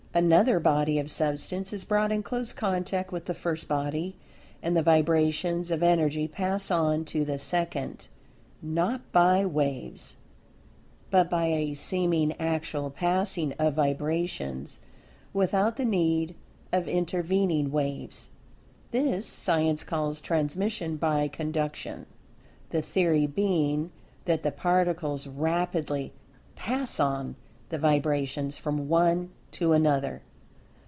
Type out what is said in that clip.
Another body of Substance is brought in close contact with the first body, and the vibrations of Energy pass on to the second, not by "waves" but by a seeming actual passing of vibrations without the need of intervening "waves." This, Science calls transmission by Conduction, the theory being that the particles rapidly "pass on" the vibrations from one to another.